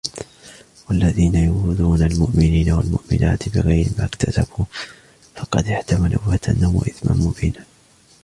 وَالَّذِينَ يُؤْذُونَ الْمُؤْمِنِينَ وَالْمُؤْمِنَاتِ بِغَيْرِ مَا اكْتَسَبُوا فَقَدِ احْتَمَلُوا بُهْتَانًا وَإِثْمًا مُبِينًا